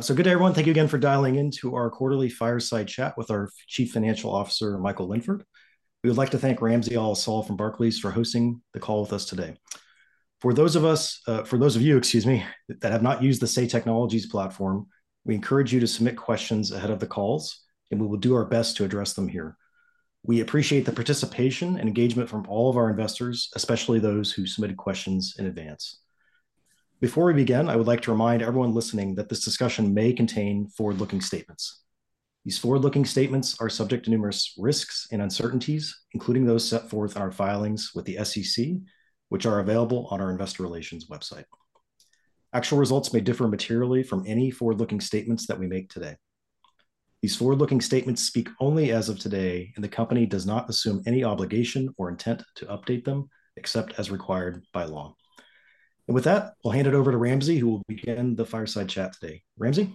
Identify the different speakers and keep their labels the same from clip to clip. Speaker 1: So good day, everyone. Thank you again for dialing in to our quarterly fireside chat with our Chief Financial Officer, Michael Linford. We would like to thank Ramsey El-Assal from Barclays for hosting the call with us today. For those of you, excuse me, that have not used the Say Technologies platform, we encourage you to submit questions ahead of the calls, and we will do our best to address them here. We appreciate the participation and engagement from all of our investors, especially those who submitted questions in advance. Before we begin, I would like to remind everyone listening that this discussion may contain forward-looking statements. These forward-looking statements are subject to numerous risks and uncertainties, including those set forth in our filings with the SEC, which are available on our Investor Relations website. Actual results may differ materially from any forward-looking statements that we make today. These forward-looking statements speak only as of today, and the company does not assume any obligation or intent to update them, except as required by law. And with that, I'll hand it over to Ramsey, who will begin the fireside chat today. Ramsey?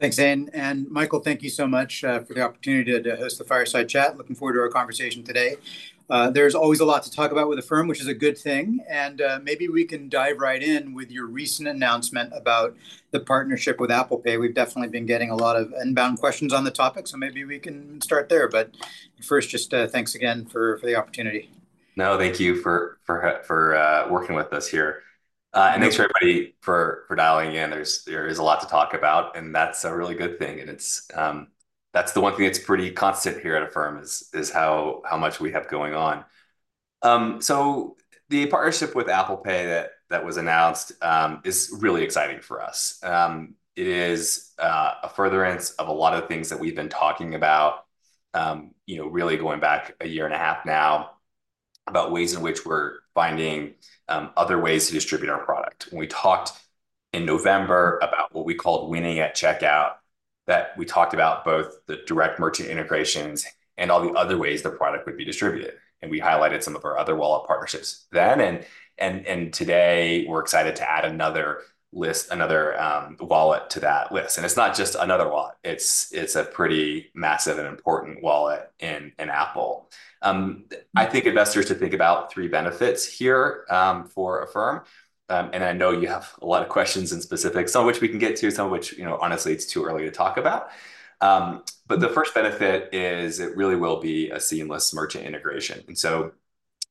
Speaker 2: Thanks, Zane. And Michael, thank you so much for the opportunity to host the fireside chat. Looking forward to our conversation today. There's always a lot to talk about with Affirm, which is a good thing, and maybe we can dive right in with your recent announcement about the partnership with Apple Pay. We've definitely been getting a lot of inbound questions on the topic, so maybe we can start there. But first, just thanks again for the opportunity.
Speaker 3: No, thank you for working with us here.
Speaker 2: Thanks.
Speaker 3: And thanks, everybody, for dialing in. There is a lot to talk about, and that's a really good thing, and it's, that's the one thing that's pretty constant here at Affirm, is how much we have going on. So the partnership with Apple Pay that was announced is really exciting for us. It is a furtherance of a lot of things that we've been talking about, you know, really going back 1.5 years now, about ways in which we're finding other ways to distribute our product. When we talked in November about what we called winning at checkout, that we talked about both the direct merchant integrations and all the other ways the product would be distributed, and we highlighted some of our other wallet partnerships then. Today, we're excited to add another wallet to that list. And it's not just another wallet, it's a pretty massive and important wallet in Apple. I think investors should think about three benefits here for Affirm, and I know you have a lot of questions and specifics, some of which we can get to, some of which, you know, honestly, it's too early to talk about. But the first benefit is it really will be a seamless merchant integration. So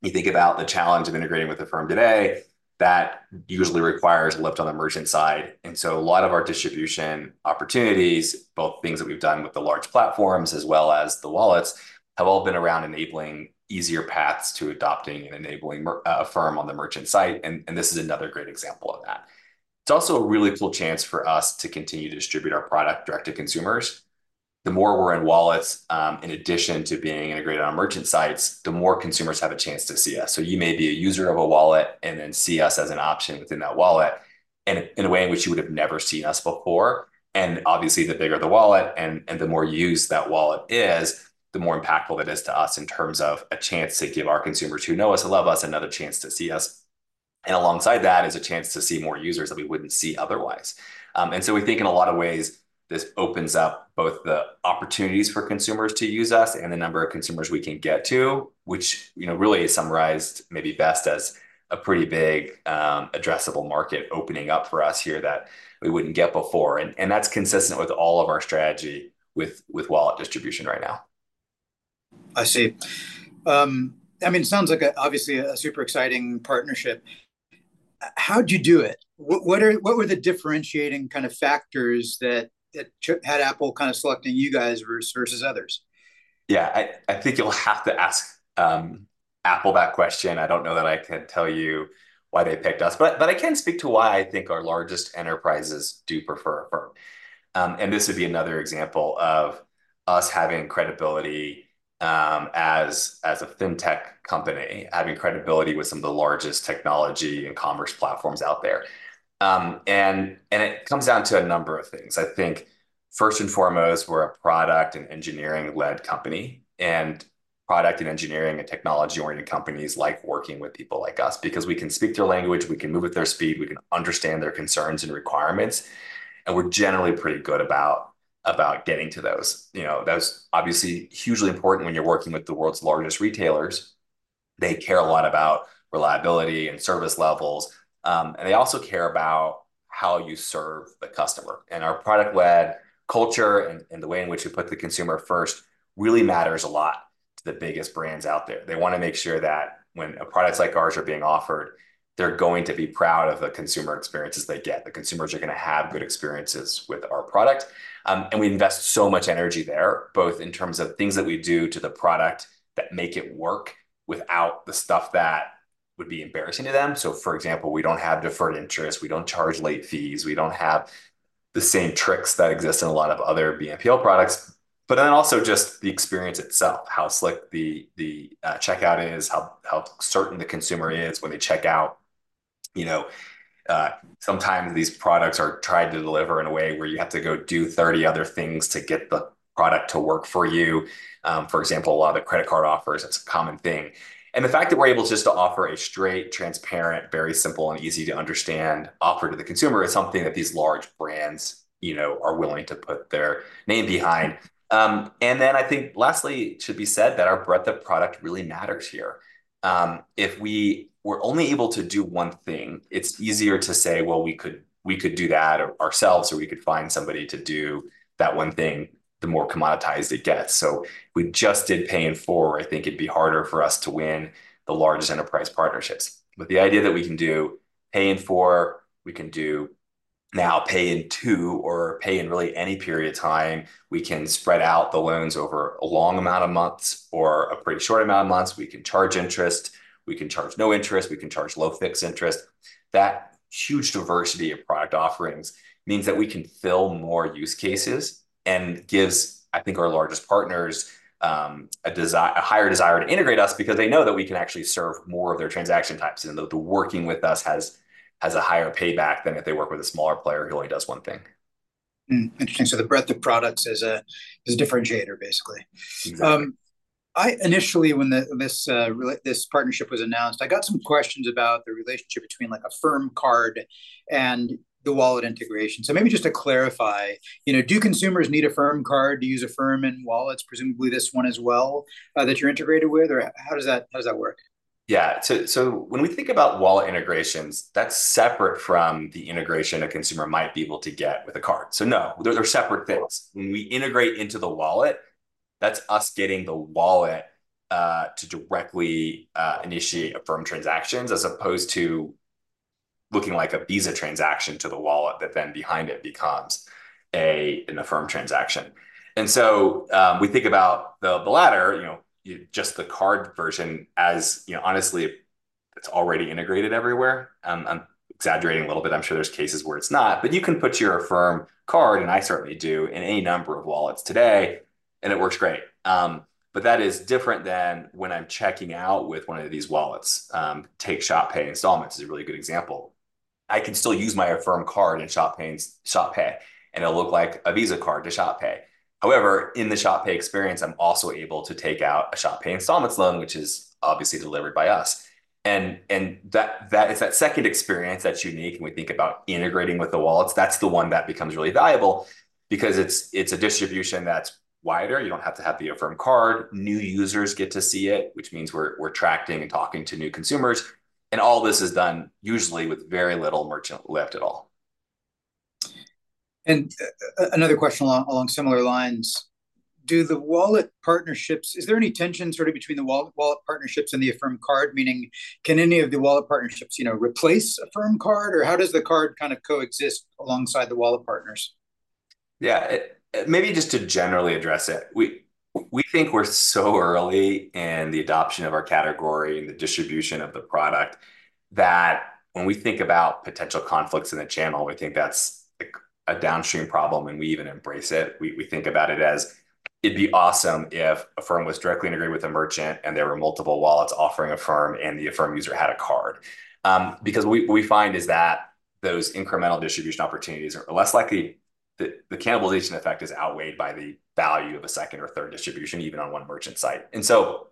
Speaker 3: you think about the challenge of integrating with Affirm today, that usually requires a lift on the merchant side. And so a lot of our distribution opportunities, both things that we've done with the large platforms, as well as the wallets, have all been around enabling easier paths to adopting and enabling Affirm on the merchant site, and this is another great example of that. It's also a really cool chance for us to continue to distribute our product direct to consumers. The more we're in wallets, in addition to being integrated on merchant sites, the more consumers have a chance to see us. So you may be a user of a wallet and then see us as an option within that wallet, and in a way in which you would have never seen us before. And obviously, the bigger the wallet and, and the more used that wallet is, the more impactful it is to us in terms of a chance to give our consumers who know us and love us another chance to see us. And alongside that is a chance to see more users that we wouldn't see otherwise. And so we think in a lot of ways, this opens up both the opportunities for consumers to use us and the number of consumers we can get to, which, you know, really is summarized maybe best as a pretty big, addressable market opening up for us here that we wouldn't get before. And, and that's consistent with all of our strategy with, with wallet distribution right now.
Speaker 2: I see. I mean, it sounds like, obviously, a super exciting partnership. How'd you do it? What were the differentiating kind of factors that had Apple kind of selecting you guys versus others?
Speaker 3: Yeah, I think you'll have to ask Apple that question. I don't know that I can tell you why they picked us, but I can speak to why I think our largest enterprises do prefer Affirm. And this would be another example of us having credibility, as a fintech company, having credibility with some of the largest technology and commerce platforms out there. And it comes down to a number of things. I think, first and foremost, we're a product- and engineering-led company, and product and engineering are technology-oriented companies like working with people like us. Because we can speak their language, we can move at their speed, we can understand their concerns and requirements, and we're generally pretty good about getting to those. You know, that's obviously hugely important when you're working with the world's largest retailers. They care a lot about reliability and service levels, and they also care about how you serve the customer. Our product-led culture and the way in which we put the consumer first really matters a lot to the biggest brands out there. They wanna make sure that when products like ours are being offered, they're going to be proud of the consumer experiences they get. The consumers are gonna have good experiences with our product. We invest so much energy there, both in terms of things that we do to the product that make it work without the stuff that would be embarrassing to them. So, for example, we don't have deferred interest, we don't charge late fees, we don't have the same tricks that exist in a lot of other BNPL products, but then also just the experience itself, how slick the checkout is, how certain the consumer is when they check out. You know, sometimes these products are tried to deliver in a way where you have to go do 30 other things to get the product to work for you. For example, a lot of the credit card offers, it's a common thing. And the fact that we're able just to offer a straight, transparent, very simple and easy-to-understand offer to the consumer is something that these large brands, you know, are willing to put their name behind. And then I think, lastly, it should be said that our breadth of product really matters here. If we were only able to do one thing, it's easier to say, "Well, we could, we could do that or ourselves, or we could find somebody to do that one thing," the more commoditized it gets. So if we just did Pay in 4, I think it'd be harder for us to win the largest enterprise partnerships. But the idea that we can do Pay in 4, we can do now Pay in 2 or pay in really any period of time. We can spread out the loans over a long amount of months or a pretty short amount of months. We can charge interest, we can charge no interest, we can charge low fixed interest. That huge diversity of product offerings means that we can fill more use cases and gives, I think, our largest partners a higher desire to integrate us because they know that we can actually serve more of their transaction types, and that working with us has a higher payback than if they work with a smaller player who only does one thing.
Speaker 2: Hmm, interesting. So the breadth of products is a differentiator, basically.
Speaker 3: Exactly.
Speaker 2: I initially, when this partnership was announced, I got some questions about the relationship between, like, Affirm Card and the wallet integration. So maybe just to clarify, you know, do consumers need Affirm Card to use Affirm and wallets, presumably this one as well, that you're integrated with? Or how does that work?
Speaker 3: Yeah. So when we think about wallet integrations, that's separate from the integration a consumer might be able to get with a card. So no, those are separate things. When we integrate into the wallet, that's us getting the wallet to directly initiate Affirm transactions as opposed to looking like a Visa transaction to the wallet, but then behind it becomes an Affirm transaction. And so we think about the latter, you know, just the card version as... You know, honestly, it's already integrated everywhere. I'm exaggerating a little bit. I'm sure there's cases where it's not. But you can put your Affirm Card, and I certainly do, in any number of wallets today, and it works great. But that is different than when I'm checking out with one of these wallets. Take Shop Pay Installments is a really good example. I can still use my Affirm Card in Shop Pay's Shop Pay, and it'll look like a Visa card to Shop Pay. However, in the Shop Pay experience, I'm also able to take out a Shop Pay Installments loan, which is obviously delivered by us. And that, it's that second experience that's unique, when we think about integrating with the wallets, that's the one that becomes really valuable because it's a distribution that's wider. You don't have to have the Affirm Card. New users get to see it, which means we're attracting and talking to new consumers, and all this is done usually with very little merchant lift at all.
Speaker 2: And another question along similar lines: Do the wallet partnerships... Is there any tension sort of between the wallet partnerships and the Affirm Card? Meaning, can any of the wallet partnerships, you know, replace Affirm Card, or how does the card kind of coexist alongside the wallet partners?
Speaker 3: Yeah. Maybe just to generally address it, we, we think we're so early in the adoption of our category and the distribution of the product, that when we think about potential conflicts in the channel, we think that's, like, a downstream problem, and we even embrace it. We, we think about it as, it'd be awesome if Affirm was directly integrated with a merchant and there were multiple wallets offering Affirm, and the Affirm user had a card. Because what we, we find is that those incremental distribution opportunities are less likely. The, the cannibalization effect is outweighed by the value of a second or third distribution, even on one merchant site. And so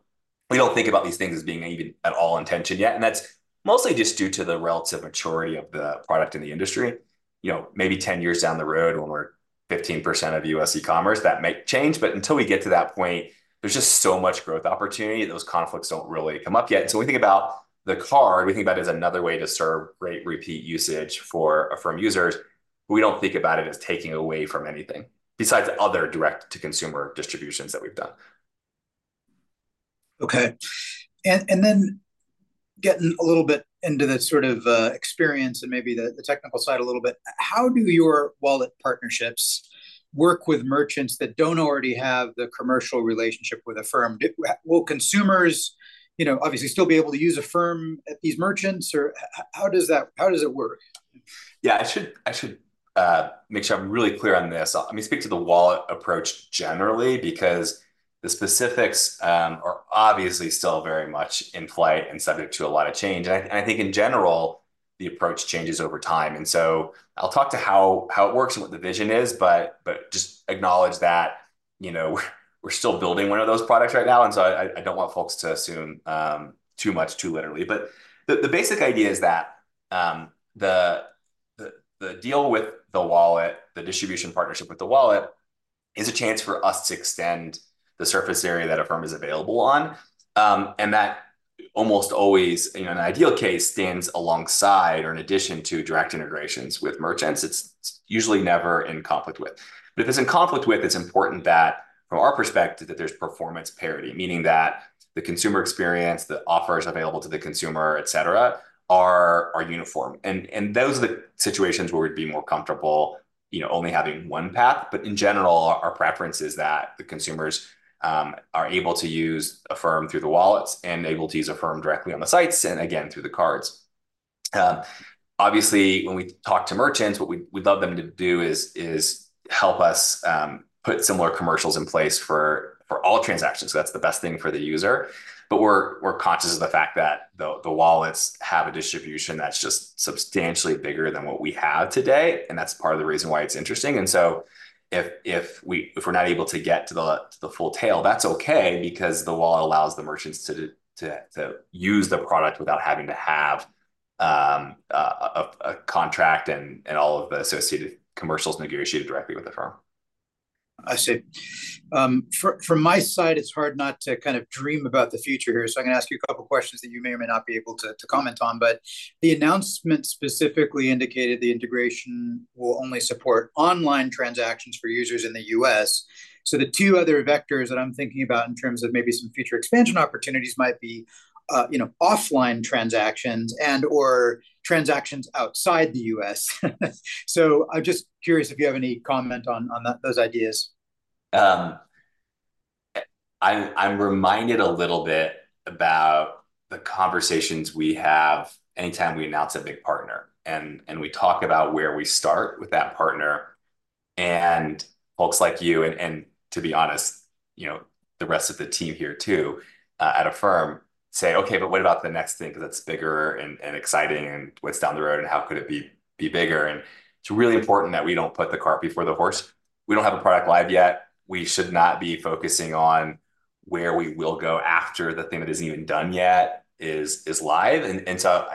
Speaker 3: we don't think about these things as being even at all in tension yet, and that's mostly just due to the relative maturity of the product in the industry. You know, maybe 10 years down the road, when we're 15% of U.S. e-commerce, that might change. But until we get to that point, there's just so much growth opportunity, those conflicts don't really come up yet. So we think about the card, we think about it as another way to serve repeat usage for Affirm users. We don't think about it as taking away from anything, besides other direct-to-consumer distributions that we've done.
Speaker 2: Okay. And then getting a little bit into the sort of experience and maybe the technical side a little bit, how do your wallet partnerships work with merchants that don't already have the commercial relationship with Affirm? Will consumers, you know, obviously, still be able to use Affirm at these merchants, or how does it work?
Speaker 3: Yeah, I should make sure I'm really clear on this. Let me speak to the wallet approach generally, because the specifics are obviously still very much in play and subject to a lot of change. And I think in general, the approach changes over time, and so I'll talk to how it works and what the vision is, but just acknowledge that, you know, we're still building one of those products right now, and so I don't want folks to assume too much too literally. But the deal with the wallet, the distribution partnership with the wallet, is a chance for us to extend the surface area that Affirm is available on. And that almost always, in an ideal case, stands alongside or in addition to direct integrations with merchants. It's usually never in conflict with. But if it's in conflict with, it's important that, from our perspective, that there's performance parity, meaning that the consumer experience, the offers available to the consumer, et cetera, are uniform. And those are the situations where we'd be more comfortable, you know, only having one path. But in general, our preference is that the consumers are able to use Affirm through the wallets and able to use Affirm directly on the sites, and again, through the cards. Obviously, when we talk to merchants, what we'd love them to do is help us put similar commercials in place for all transactions. That's the best thing for the user. But we're conscious of the fact that the wallets have a distribution that's just substantially bigger than what we have today, and that's part of the reason why it's interesting. So if we're not able to get to the full tail, that's okay because the wallet allows the merchants to use the product without having to have a contract and all of the associated commercials negotiated directly with Affirm.
Speaker 2: I see. From my side, it's hard not to kind of dream about the future here, so I'm going to ask you a couple questions that you may or may not be able to comment on. But the announcement specifically indicated the integration will only support online transactions for users in the U.S. So the two other vectors that I'm thinking about in terms of maybe some future expansion opportunities might be, you know, offline transactions and/or transactions outside the U.S. So I'm just curious if you have any comment on that, those ideas.
Speaker 3: I'm reminded a little bit about the conversations we have anytime we announce a big partner, and we talk about where we start with that partner. And folks like you, and to be honest, you know, the rest of the team here, too, at Affirm say, "Okay, but what about the next thing that's bigger and exciting, and what's down the road, and how could it be bigger?" And it's really important that we don't put the cart before the horse. We don't have a product live yet. We should not be focusing on where we will go after the thing that isn't even done yet is live. And so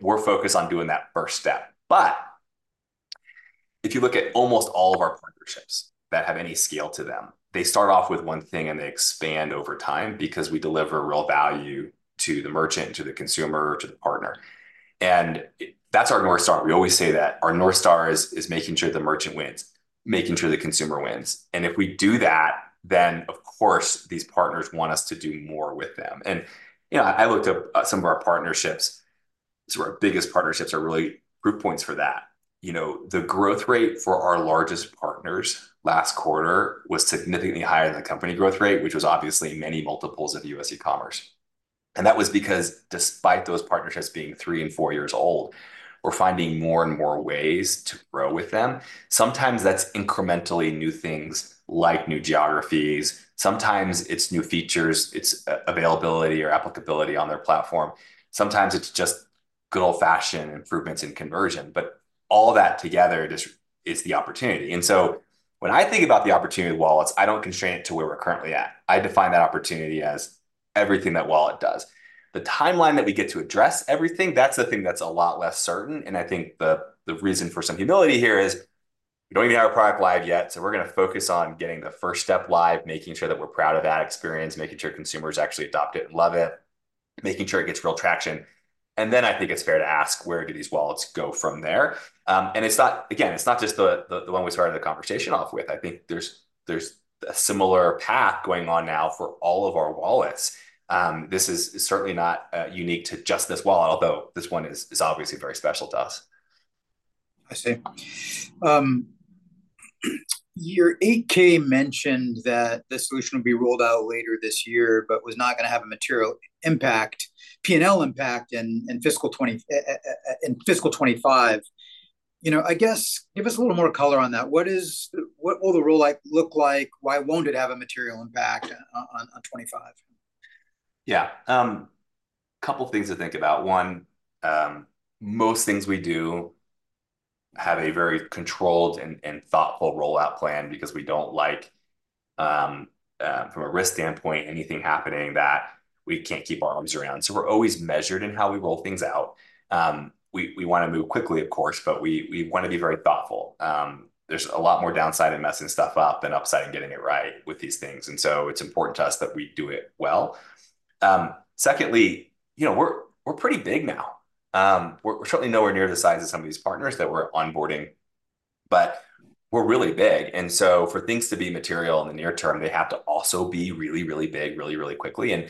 Speaker 3: we're focused on doing that first step. But if you look at almost all of our partnerships that have any scale to them, they start off with one thing, and they expand over time because we deliver real value to the merchant, to the consumer, to the partner, and that's our North Star. We always say that our North Star is, is making sure the merchant wins, making sure the consumer wins. And if we do that, then, of course, these partners want us to do more with them. And, you know, I, I looked up at some of our partnerships. So our biggest partnerships are really proof points for that. You know, the growth rate for our largest partners last quarter was significantly higher than the company growth rate, which was obviously many multiples of U.S. e-commerce. And that was because despite those partnerships being 3 and 4 years old, we're finding more and more ways to grow with them. Sometimes that's incrementally new things, like new geographies. Sometimes it's new features, it's availability or applicability on their platform. Sometimes it's just good old-fashioned improvements in conversion, but all that together just is the opportunity. And so when I think about the opportunity wallets, I don't constrain it to where we're currently at. I define that opportunity as everything that Wallet does. The timeline that we get to address everything, that's the thing that's a lot less certain, and I think the reason for some humility here is we don't even have our product live yet, so we're going to focus on getting the first step live, making sure that we're proud of that experience, making sure consumers actually adopt it and love it, making sure it gets real traction. And then, I think it's fair to ask, where do these wallets go from there? And it's not, again, it's not just the one we started the conversation off with. I think there's a similar path going on now for all of our wallets. This is certainly not unique to just this wallet, although this one is obviously very special to us.
Speaker 2: I see. Your 8-K mentioned that the solution would be rolled out later this year but was not going to have a material impact, P&L impact in fiscal 2025. You know, I guess give us a little more color on that. What will the rollout look like? Why won't it have a material impact on 2025?
Speaker 3: Yeah. Couple things to think about. One, most things we do have a very controlled and, and thoughtful rollout plan because we don't like, from a risk standpoint, anything happening that we can't keep our arms around. So we're always measured in how we roll things out. We want to move quickly, of course, but we want to be very thoughtful. There's a lot more downside in messing stuff up than upside in getting it right with these things, and so it's important to us that we do it well. Secondly, you know, we're pretty big now. We're certainly nowhere near the size of some of these partners that we're onboarding, but we're really big, and so for things to be material in the near term, they have to also be really, really big, really, really quickly. And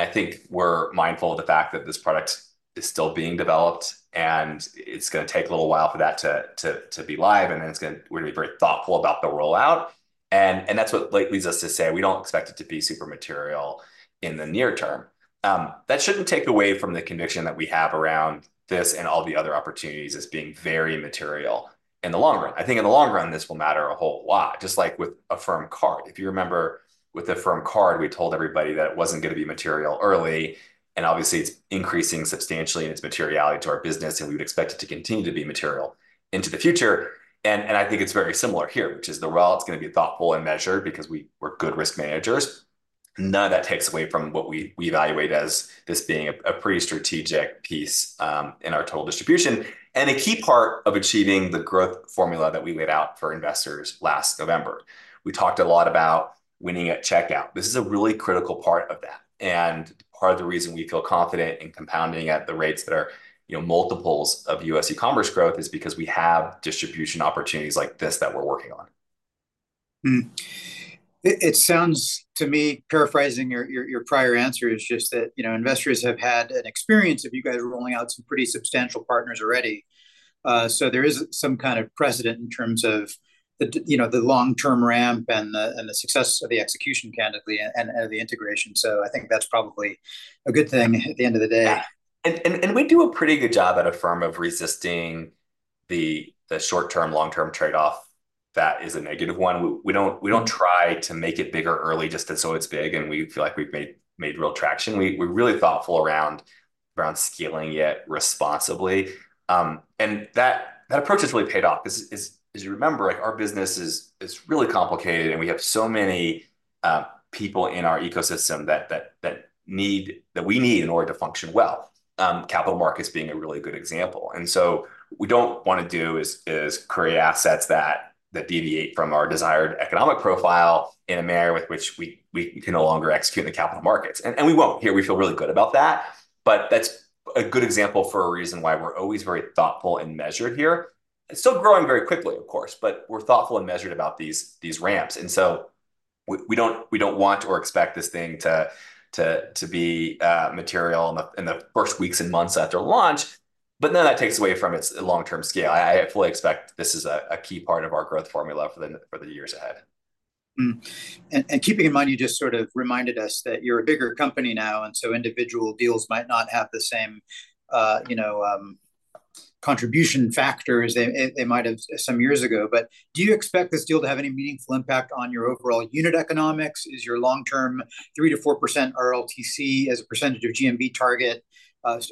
Speaker 3: I think we're mindful of the fact that this product is still being developed, and it's going to take a little while for that to be live, and then it's going to, we're going to be very thoughtful about the rollout. And that's what, like, leads us to say we don't expect it to be super material in the near term. That shouldn't take away from the conviction that we have around this and all the other opportunities as being very material in the long run. I think in the long run, this will matter a whole lot, just like with Affirm Card. If you remember, with Affirm Card, we told everybody that it wasn't going to be material early, and obviously, it's increasing substantially in its materiality to our business, and we would expect it to continue to be material into the future. And I think it's very similar here, which is the wallet's going to be thoughtful and measured because we're good risk managers. None of that takes away from what we evaluate as this being a pretty strategic piece in our total distribution, and a key part of achieving the growth formula that we laid out for investors last November. We talked a lot about winning at checkout. This is a really critical part of that, and part of the reason we feel confident in compounding at the rates that are, you know, multiples of U.S. e-commerce growth, is because we have distribution opportunities like this that we're working on.
Speaker 2: Hmm. It sounds to me, paraphrasing your prior answer, is just that, you know, investors have had an experience of you guys rolling out some pretty substantial partners already. So there is some kind of precedent in terms of the, you know, the long-term ramp and the, and the success of the execution, candidly, and the integration. So I think that's probably a good thing at the end of the day.
Speaker 3: Yeah. And we do a pretty good job at Affirm of resisting the short-term, long-term trade-off that is a negative one. We don't try to make it bigger early just so it's big, and we feel like we've made real traction. We're really thoughtful around scaling it responsibly. And that approach has really paid off. As you remember, like, our business is really complicated, and we have so many people in our ecosystem that we need in order to function well, capital markets being a really good example. And so what we don't want to do is create assets that deviate from our desired economic profile in a manner with which we can no longer execute in the capital markets. And we won't. Here, we feel really good about that, but that's a good example for a reason why we're always very thoughtful and measured here. It's still growing very quickly, of course, but we're thoughtful and measured about these ramps. And so we don't want or expect this thing to be material in the first weeks and months after launch... but none of that takes away from its long-term scale. I fully expect this is a key part of our growth formula for the years ahead.
Speaker 2: And keeping in mind, you just sort of reminded us that you're a bigger company now, and so individual deals might not have the same, you know, contribution factors they might have some years ago. But do you expect this deal to have any meaningful impact on your overall unit economics? Is your long-term 3%-4% RLTC as a percentage of GMV target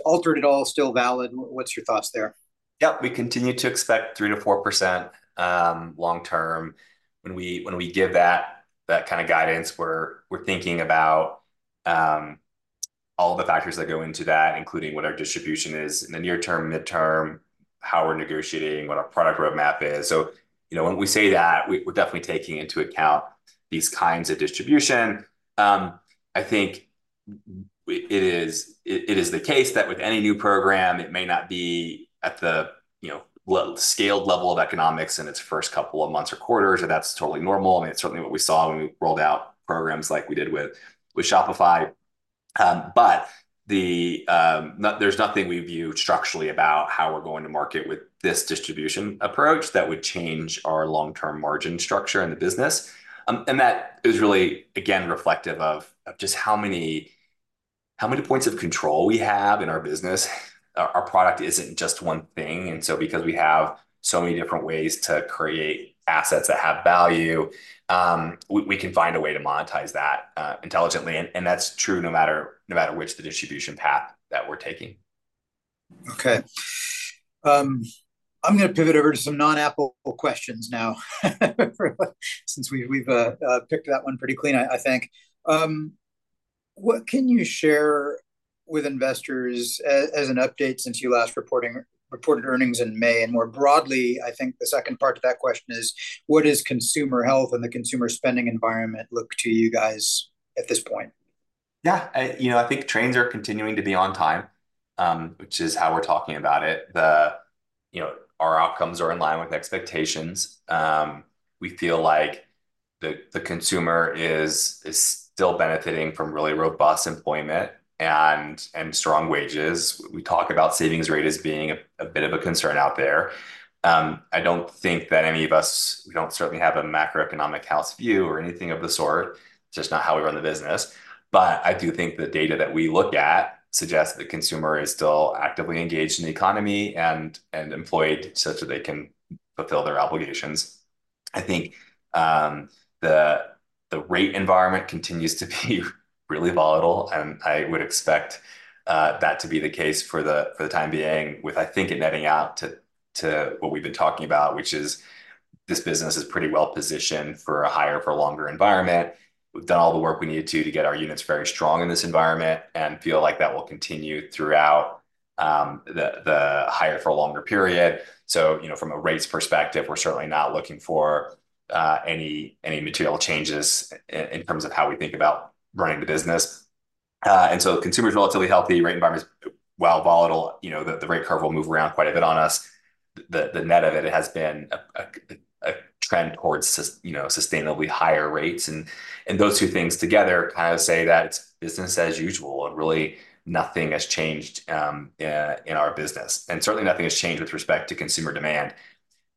Speaker 2: altered at all, still valid? What's your thoughts there?
Speaker 3: Yep, we continue to expect 3%-4% long term. When we give that kind of guidance, we're thinking about all the factors that go into that, including what our distribution is in the near term, midterm, how we're negotiating, what our product roadmap is. So, you know, when we say that, we're definitely taking into account these kinds of distribution. I think it is the case that with any new program, it may not be at the, you know, well, scaled level of economics in its first couple of months or quarters, and that's totally normal. I mean, it's certainly what we saw when we rolled out programs like we did with Shopify. But the... There's nothing we view structurally about how we're going to market with this distribution approach that would change our long-term margin structure in the business. And that is really, again, reflective of just how many points of control we have in our business. Our product isn't just one thing, and so because we have so many different ways to create assets that have value, we can find a way to monetize that intelligently, and that's true no matter which the distribution path that we're taking.
Speaker 2: Okay. I'm gonna pivot over to some non-Apple questions now, since we've picked that one pretty clean, I think. What can you share with investors as an update since you last reported earnings in May? And more broadly, I think the second part to that question is: What is consumer health and the consumer spending environment look to you guys at this point?
Speaker 3: Yeah. You know, I think trains are continuing to be on time, which is how we're talking about it. You know, our outcomes are in line with expectations. We feel like the consumer is still benefiting from really robust employment and strong wages. We talk about savings rate as being a bit of a concern out there. I don't think that any of us, we don't certainly have a macroeconomic house view or anything of the sort, just not how we run the business. But I do think the data that we look at suggests the consumer is still actively engaged in the economy and employed, such that they can fulfill their obligations. I think, the rate environment continues to be really volatile, and I would expect that to be the case for the time being, with, I think, it netting out to what we've been talking about, which is this business is pretty well-positioned for a higher-for-longer environment. We've done all the work we need to to get our units very strong in this environment and feel like that will continue throughout the higher for a longer period. So, you know, from a rates perspective, we're certainly not looking for any material changes in terms of how we think about running the business. And so consumer's relatively healthy. Rate environment is, well, volatile. You know, the rate curve will move around quite a bit on us. The net of it has been a trend towards, you know, sustainably higher rates. And those two things together kind of say that it's business as usual, and really nothing has changed in our business, and certainly nothing has changed with respect to consumer demand.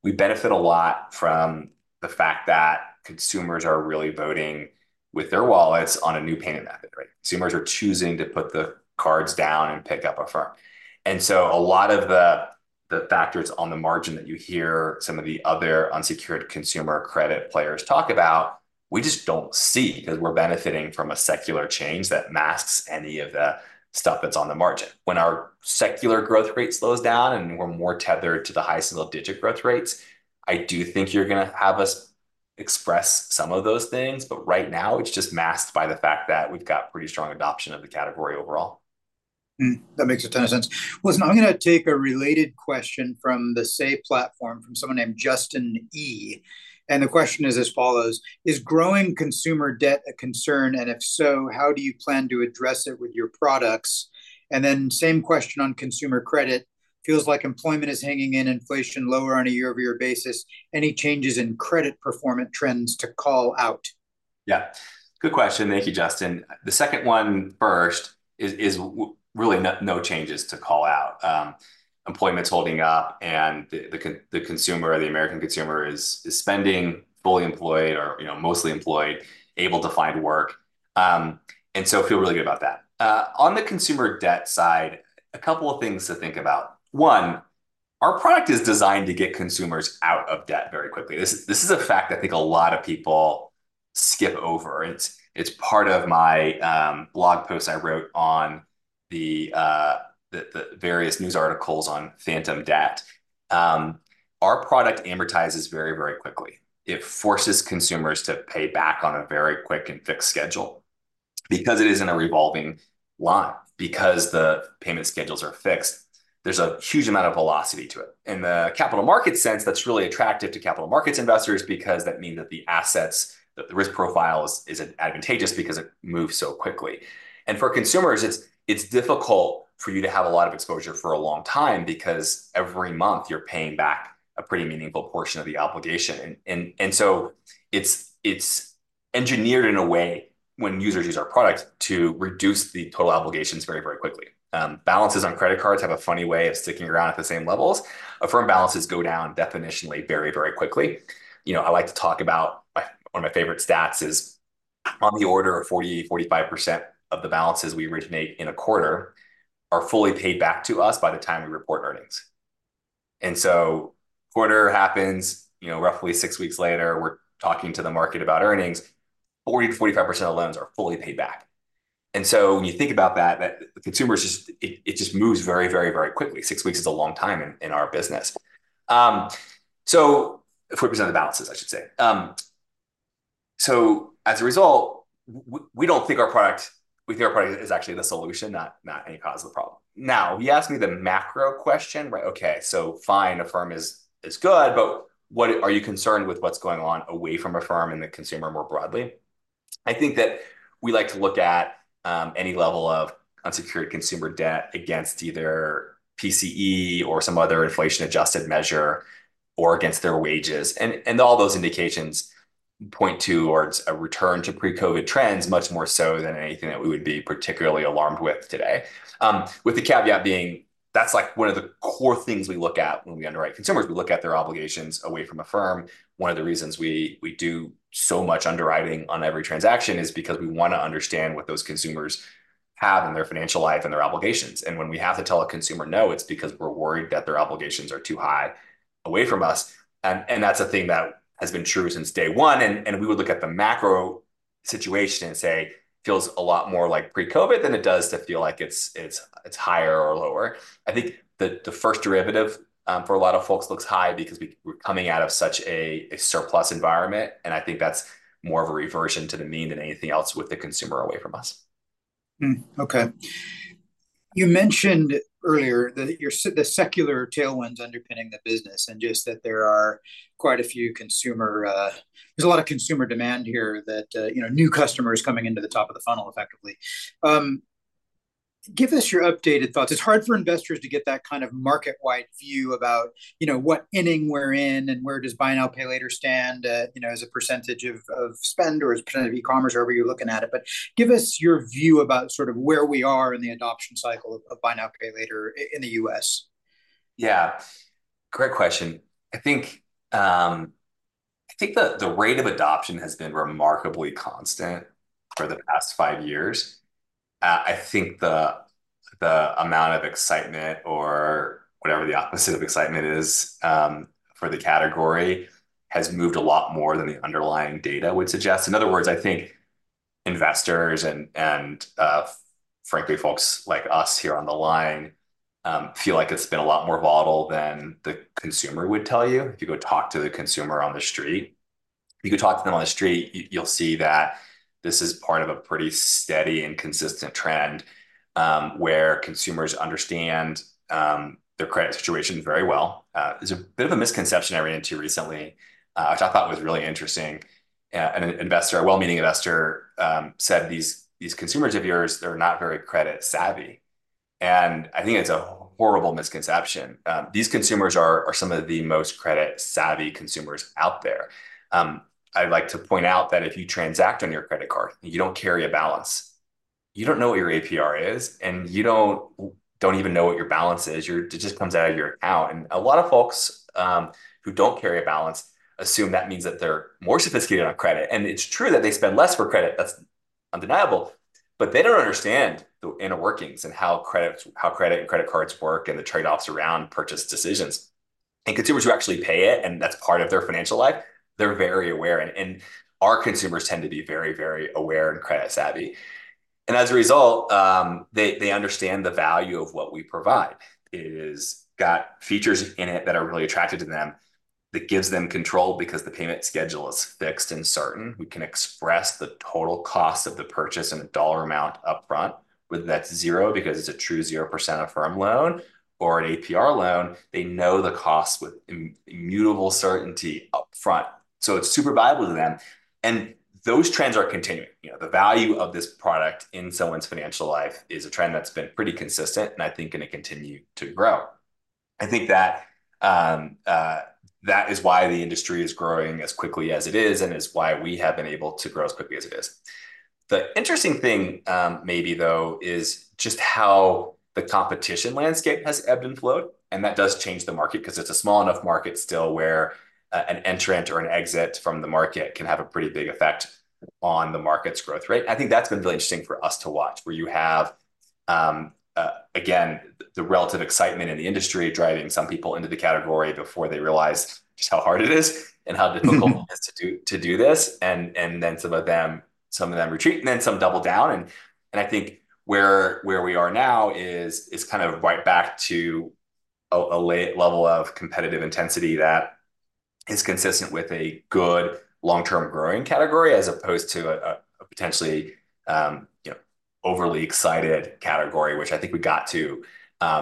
Speaker 3: We benefit a lot from the fact that consumers are really voting with their wallets on a new payment method, right? Consumers are choosing to put the cards down and pick up Affirm. And so a lot of the factors on the margin that you hear some of the other unsecured consumer credit players talk about, we just don't see, 'cause we're benefiting from a secular change that masks any of the stuff that's on the margin. When our secular growth rate slows down, and we're more tethered to the high single-digit growth rates, I do think you're gonna have us express some of those things, but right now, it's just masked by the fact that we've got pretty strong adoption of the category overall.
Speaker 2: That makes a ton of sense. Listen, I'm gonna take a related question from the Say platform, from someone named Justin E., and the question is as follows: "Is growing consumer debt a concern, and if so, how do you plan to address it with your products?" And then same question on consumer credit: "Feels like employment is hanging in, inflation lower on a year-over-year basis. Any changes in credit performance trends to call out?
Speaker 3: Yeah. Good question. Thank you, Justin. The second one first is really no changes to call out. Employment's holding up, and the consumer, or the American consumer, is spending, fully employed or, you know, mostly employed, able to find work. And so feel really good about that. On the consumer debt side, a couple of things to think about. One, our product is designed to get consumers out of debt very quickly. This is a fact I think a lot of people skip over. It's part of my blog post I wrote on the various news articles on phantom debt. Our product amortizes very, very quickly. It forces consumers to pay back on a very quick and fixed schedule. Because it isn't a revolving line, because the payment schedules are fixed, there's a huge amount of velocity to it. In the capital market sense, that's really attractive to capital markets investors because that means that the assets, the risk profile is advantageous because it moves so quickly. And for consumers, it's difficult for you to have a lot of exposure for a long time because every month you're paying back a pretty meaningful portion of the obligation. And so it's engineered in a way, when users use our product, to reduce the total obligations very, very quickly. Balances on credit cards have a funny way of sticking around at the same levels. Affirm balances go down definitionally very, very quickly. You know, I like to talk about, one of my favorite stats is on the order of 40%-45% of the balances we originate in a quarter are fully paid back to us by the time we report earnings. And so quarter happens, you know, roughly six weeks later, we're talking to the market about earnings, 40%-45% of loans are fully paid back. And so when you think about that, that the consumers just, it just moves very, very, very quickly. Six weeks is a long time in, in our business. So 40% of the balances, I should say. So as a result, we don't think our product... We think our product is actually the solution, not, not any cause of the problem. Now, if you ask me the macro question, right, okay, so fine, Affirm is good, but what are you concerned with what's going on away from Affirm and the consumer more broadly? I think that we like to look at any level of unsecured consumer debt against either PCE or some other inflation-adjusted measure, or against their wages. And all those indications point to towards a return to pre-COVID trends, much more so than anything that we would be particularly alarmed with today. With the caveat being, that's like one of the core things we look at when we underwrite consumers. We look at their obligations away from Affirm. One of the reasons we do so much underwriting on every transaction is because we want to understand what those consumers have in their financial life and their obligations. And when we have to tell a consumer no, it's because we're worried that their obligations are too high away from us, and that's a thing that has been true since day one, and we would look at the macro situation and say, "Feels a lot more like pre-COVID than it does to feel like it's higher or lower." I think the first derivative for a lot of folks looks high because we're coming out of such a surplus environment, and I think that's more of a reversion to the mean than anything else with the consumer away from us.
Speaker 2: Okay. You mentioned earlier that the secular tailwinds underpinning the business, and just that there are quite a few consumer. There's a lot of consumer demand here that, you know, new customers coming into the top of the funnel effectively. Give us your updated thoughts. It's hard for investors to get that kind of market-wide view about, you know, what inning we're in, and where does buy now, pay later stand, you know, as a percentage of spend or as a percentage of e-commerce, however you're looking at it. But give us your view about sort of where we are in the adoption cycle of buy now, pay later in the U.S.
Speaker 3: Yeah, great question. I think I think the rate of adoption has been remarkably constant for the past five years. I think the amount of excitement or whatever the opposite of excitement is for the category has moved a lot more than the underlying data would suggest. In other words, I think investors and frankly folks like us here on the line feel like it's been a lot more volatile than the consumer would tell you if you go talk to the consumer on the street. If you go talk to them on the street, you'll see that this is part of a pretty steady and consistent trend where consumers understand their credit situations very well. There's a bit of a misconception I ran into recently which I thought was really interesting. An investor, a well-meaning investor, said: "These, these consumers of yours, they're not very credit savvy." I think it's a horrible misconception. These consumers are some of the most credit-savvy consumers out there. I'd like to point out that if you transact on your credit card and you don't carry a balance, you don't know what your APR is, and you don't even know what your balance is. Your - it just comes out of you're out. A lot of folks who don't carry a balance assume that means that they're more sophisticated on credit. It's true that they spend less for credit, that's undeniable, but they don't understand the inner workings and how credit and credit cards work, and the trade-offs around purchase decisions. Consumers who actually pay it, and that's part of their financial life, they're very aware, and our consumers tend to be very, very aware and credit savvy. And as a result, they understand the value of what we provide. It has got features in it that are really attractive to them, that gives them control because the payment schedule is fixed and certain. We can express the total cost of the purchase in a dollar amount upfront, whether that's $0, because it's a true 0% Affirm loan or an APR loan, they know the costs with immutable certainty upfront. So it's super valuable to them, and those trends are continuing. You know, the value of this product in someone's financial life is a trend that's been pretty consistent, and I think going to continue to grow. I think that, that is why the industry is growing as quickly as it is, and is why we have been able to grow as quickly as it is. The interesting thing, maybe though, is just how the competition landscape has ebbed and flowed, and that does change the market, 'cause it's a small enough market still where, an entrant or an exit from the market can have a pretty big effect on the market's growth rate. I think that's been really interesting for us to watch, where you have, again, the relative excitement in the industry driving some people into the category before they realize just how hard it is, and how difficult it is to do this. And then some of them retreat, and then some double down. I think where we are now is kind of right back to a low level of competitive intensity that is consistent with a good long-term growing category, as opposed to a potentially, you know, overly excited category, which I think we got to,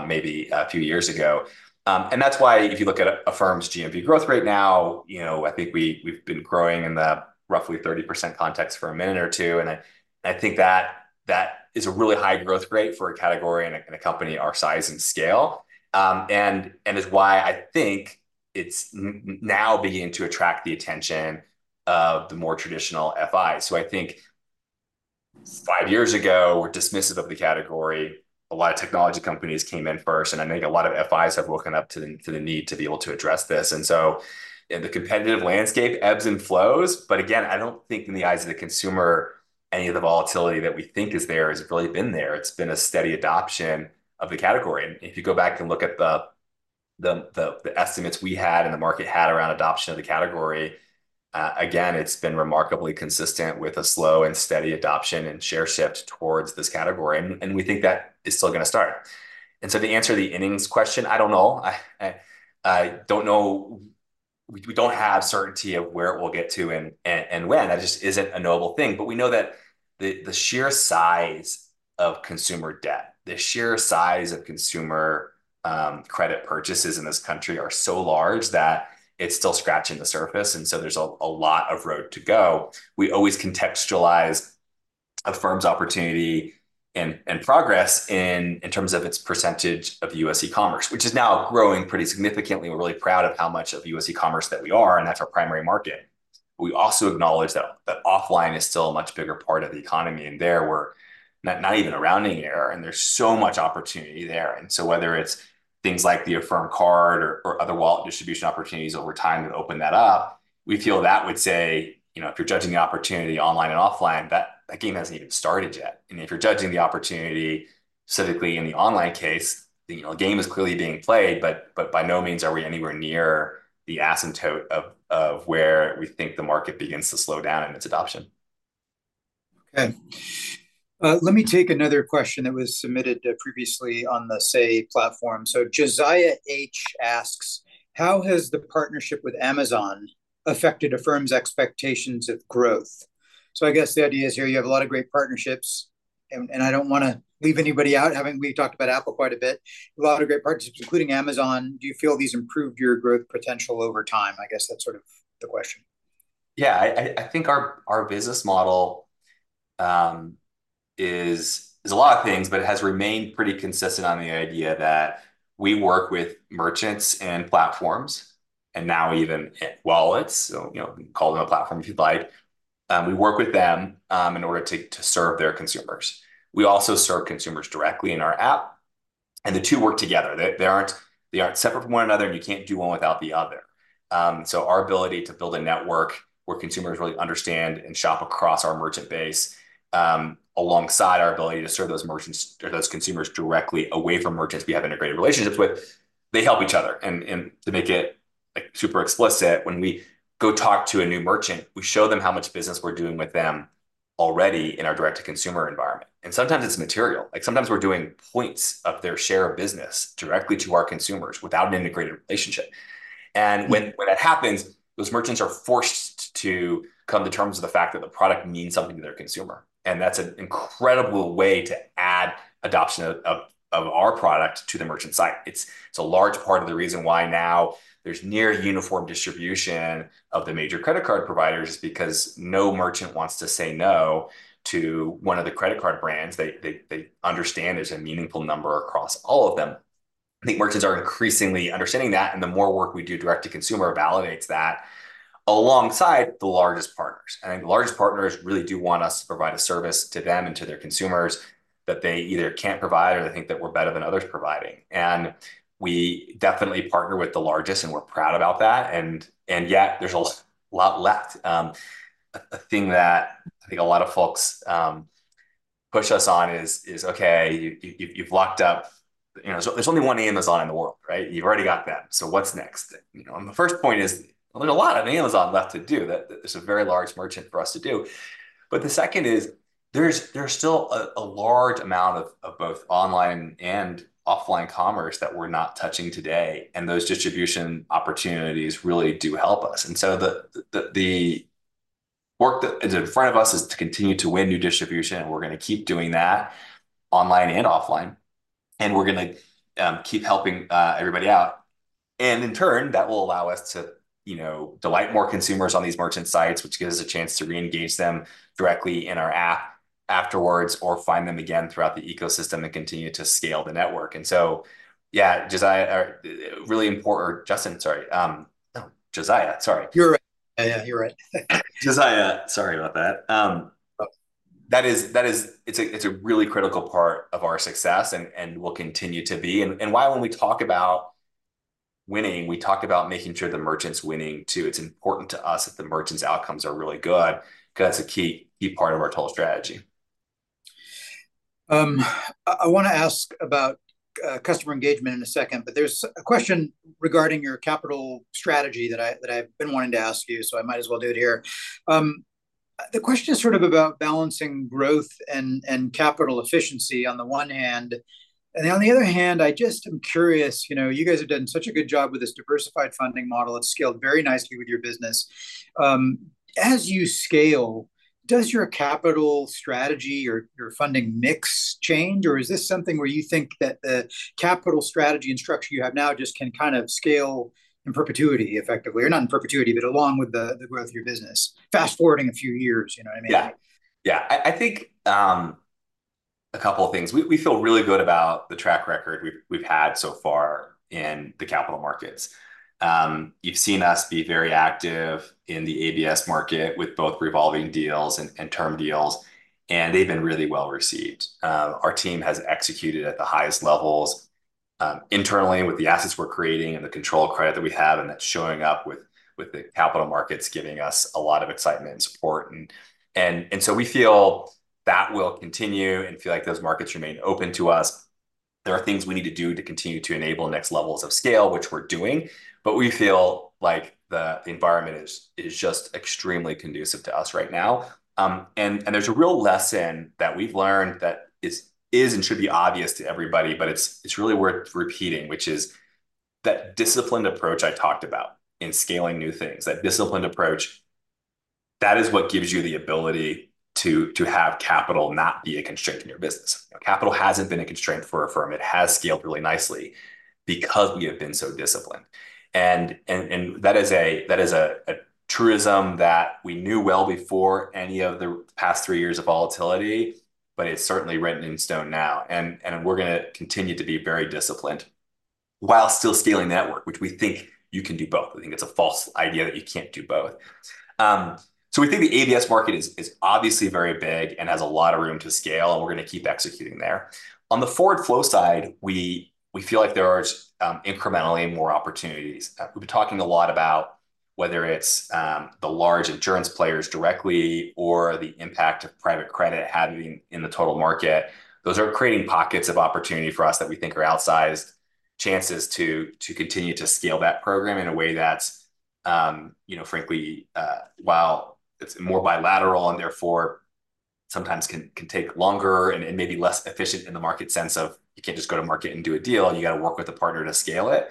Speaker 3: maybe a few years ago. And that's why if you look at Affirm's GMV growth rate now, you know, I think we've been growing in the roughly 30% context for a minute or two, and I think that is a really high growth rate for a category and a company our size and scale. And is why I think it's now beginning to attract the attention of the more traditional FIs. So I think five years ago, they were dismissive of the category. A lot of technology companies came in first, and I think a lot of FIs have woken up to the need to be able to address this. And so, yeah, the competitive landscape ebbs and flows, but again, I don't think in the eyes of the consumer, any of the volatility that we think is there has really been there. It's been a steady adoption of the category. And if you go back and look at the estimates we had and the market had around adoption of the category, again, it's been remarkably consistent with a slow and steady adoption and share shift towards this category, and we think that is still gonna start. And so the answer to the innings question, I don't know. I don't know... We don't have certainty of where it will get to and when. That just isn't a knowable thing. But we know that the sheer size of consumer debt, the sheer size of consumer credit purchases in this country are so large that it's still scratching the surface, and so there's a lot of road to go. We always contextualize Affirm's opportunity and progress in terms of its percentage of U.S. e-commerce, which is now growing pretty significantly. We're really proud of how much of U.S. e-commerce that we are, and that's our primary market. We also acknowledge that offline is still a much bigger part of the economy, and there we're not even a rounding error, and there's so much opportunity there. And so whether it's things like the Affirm Card or, or other wallet distribution opportunities over time to open that up, we feel that would say, you know, if you're judging the opportunity online and offline, that game hasn't even started yet. And if you're judging the opportunity specifically in the online case, you know, a game is clearly being played, but, but by no means are we anywhere near the asymptote of, of where we think the market begins to slow down in its adoption.
Speaker 2: Okay. Let me take another question that was submitted previously on the Say platform. So Josiah H. asks: "How has the partnership with Amazon affected Affirm's expectations of growth?" So I guess the idea is here you have a lot of great partnerships, and, and I don't wanna leave anybody out, having... We've talked about Apple quite a bit. A lot of great partnerships, including Amazon. Do you feel these improved your growth potential over time? I guess that's sort of the question.
Speaker 3: Yeah, I think our business model is a lot of things, but it has remained pretty consistent on the idea that we work with merchants and platforms, and now even wallets, so, you know, call them a platform if you'd like. We work with them in order to serve their consumers. We also serve consumers directly in our app, and the two work together. They aren't separate from one another, and you can't do one without the other. So our ability to build a network where consumers really understand and shop across our merchant base, alongside our ability to serve those merchants or those consumers directly away from merchants we have integrated relationships with, they help each other. And to make it, like, super explicit, when we go talk to a new merchant, we show them how much business we're doing with them already in our direct-to-consumer environment. And sometimes it's material. Like, sometimes we're doing points of their share of business directly to our consumers without an integrated relationship. And when that happens, those merchants are forced to come to terms with the fact that the product means something to their consumer, and that's an incredible way to add adoption of our product to the merchant site. It's a large part of the reason why now there's near uniform distribution of the major credit card providers, because no merchant wants to say no to one of the credit card brands. They understand there's a meaningful number across all of them. I think merchants are increasingly understanding that, and the more work we do direct-to-consumer validates that, alongside the largest partners. I think the largest partners really do want us to provide a service to them and to their consumers that they either can't provide or they think that we're better than others providing. We definitely partner with the largest, and we're proud about that, and yet there's a lot left. A thing that I think a lot of folks push us on is: "Okay, you've locked up..." You know, "So there's only one Amazon in the world, right? You've already got them, so what's next?" You know, and the first point is, there's a lot of Amazon left to do. There's a very large merchant for us to do. But the second is, there's still a large amount of both online and offline commerce that we're not touching today, and those distribution opportunities really do help us. And so the work that is in front of us is to continue to win new distribution, and we're gonna keep doing that online and offline, and we're gonna keep helping everybody out. And in turn, that will allow us to, you know, delight more consumers on these merchant sites, which gives us a chance to re-engage them directly in our app afterwards or find them again throughout the ecosystem and continue to scale the network. And so, yeah, Josiah, really important - Justin, sorry. Josiah, sorry.
Speaker 2: You're right. Yeah, you're right.
Speaker 3: Josiah, sorry about that. But that is. It's a really critical part of our success and will continue to be. And why when we talk about winning, we talk about making sure the merchant's winning, too. It's important to us that the merchant's outcomes are really good, 'cause that's a key, key part of our total strategy.
Speaker 2: I wanna ask about customer engagement in a second, but there's a question regarding your capital strategy that I've been wanting to ask you, so I might as well do it here. The question is sort of about balancing growth and capital efficiency on the one hand, and on the other hand, I'm curious, you know, you guys have done such a good job with this diversified funding model. It's scaled very nicely with your business. As you scale, does your capital strategy, your funding mix change, or is this something where you think that the capital strategy and structure you have now just can kind of scale in perpetuity, effectively? Or not in perpetuity, but along with the growth of your business. Fast-forwarding a few years, you know what I mean?
Speaker 3: Yeah. Yeah, I think, a couple of things. We feel really good about the track record we've had so far in the capital markets. You've seen us be very active in the ABS market, with both revolving deals and term deals, and they've been really well-received. Our team has executed at the highest levels, internally with the assets we're creating and the control credit that we have, and that's showing up with the capital markets giving us a lot of excitement and support. And so we feel that will continue, and feel like those markets remain open to us. There are things we need to do to continue to enable next levels of scale, which we're doing, but we feel like the environment is just extremely conducive to us right now. There's a real lesson that we've learned that is and should be obvious to everybody, but it's really worth repeating, which is that disciplined approach I talked about in scaling new things. That disciplined approach, that is what gives you the ability to have capital not be a constraint in your business. Capital hasn't been a constraint for Affirm. It has scaled really nicely because we have been so disciplined. And that is a truism that we knew well before any of the past three years of volatility, but it's certainly written in stone now, and we're gonna continue to be very disciplined while still scaling network, which we think you can do both. We think it's a false idea that you can't do both. So we think the ABS market is obviously very big and has a lot of room to scale, and we're gonna keep executing there. On the forward flow side, we feel like there are incrementally more opportunities. We've been talking a lot about whether it's the large insurance players directly or the impact of private credit having in the total market. Those are creating pockets of opportunity for us that we think are outsized chances to continue to scale that program in a way that's, you know, frankly, while it's more bilateral and therefore sometimes can take longer and maybe less efficient in the market sense of you can't just go to market and do a deal, and you've got to work with a partner to scale it.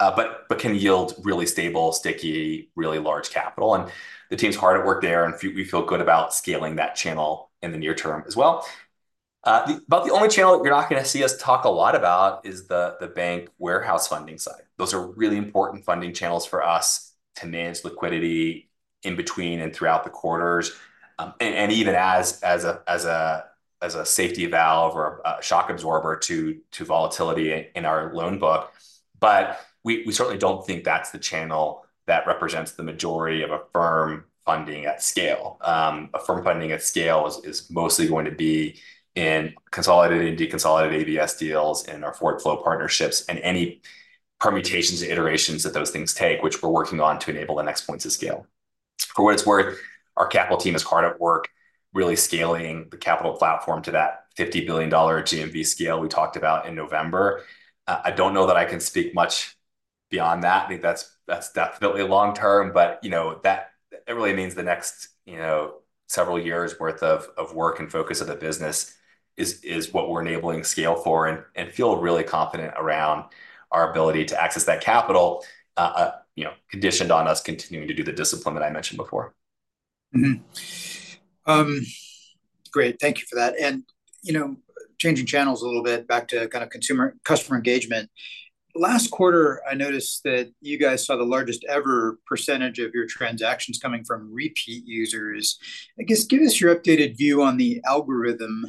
Speaker 3: But can yield really stable, sticky, really large capital. The team's hard at work there, and we feel good about scaling that channel in the near term as well. About the only channel you're not gonna see us talk a lot about is the bank warehouse funding side. Those are really important funding channels for us to manage liquidity in between and throughout the quarters, and even as a safety valve or a shock absorber to volatility in our loan book. But we certainly don't think that's the channel that represents the majority of Affirm funding at scale. Affirm funding at scale is mostly going to be in consolidated and deconsolidated ABS deals and our forward flow partnerships, and any permutations and iterations that those things take, which we're working on to enable the next points of scale. For what it's worth, our capital team is hard at work, really scaling the capital platform to that $50 billion GMV scale we talked about in November. I don't know that I can speak much beyond that. I think that's, that's definitely long term, but, you know, that it really means the next, you know, several years' worth of, of work and focus of the business is, is what we're enabling scale for, and, and feel really confident around our ability to access that capital. You know, conditioned on us continuing to do the discipline that I mentioned before.
Speaker 2: Mm-hmm. Great. Thank you for that. And, you know, changing channels a little bit, back to kind of customer engagement. Last quarter, I noticed that you guys saw the largest ever percentage of your transactions coming from repeat users. I guess, give us your updated view on the algorithm,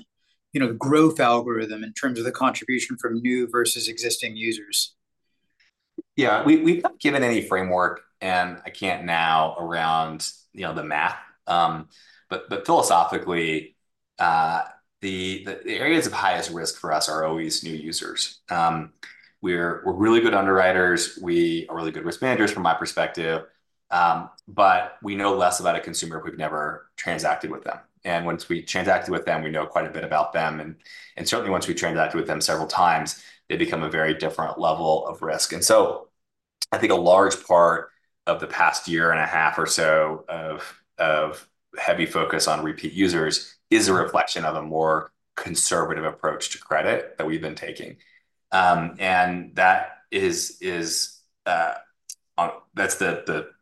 Speaker 2: you know, growth algorithm in terms of the contribution from new versus existing users.
Speaker 3: Yeah, we've not given any framework, and I can't now around, you know, the math. But philosophically, the areas of highest risk for us are always new users. We're really good underwriters. We are really good risk managers from my perspective, but we know less about a consumer if we've never transacted with them. And once we've transacted with them, we know quite a bit about them, and certainly once we've transacted with them several times, they become a very different level of risk. And so I think a large part of the past year and a half or so of heavy focus on repeat users is a reflection of a more conservative approach to credit that we've been taking. And that is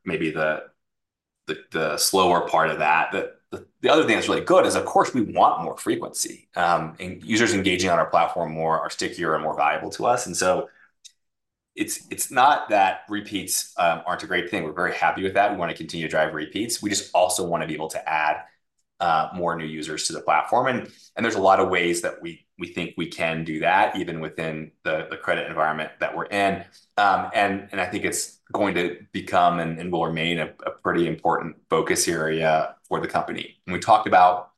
Speaker 3: maybe the slower part of that. The other thing that's really good is, of course, we want more frequency. And users engaging on our platform more are stickier and more valuable to us. And so it's not that repeats aren't a great thing. We're very happy with that. We want to continue to drive repeats. We just also want to be able to add more new users to the platform, and there's a lot of ways that we think we can do that, even within the credit environment that we're in. And I think it's going to become and will remain a pretty important focus area for the company. And we talked about